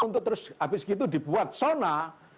untuk terus habis gitu dibuat sona